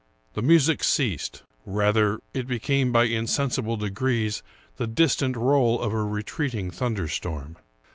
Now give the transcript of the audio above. The music ceased ; rather, it became by insensible degrees the distant roll of a retreating thunderstorm.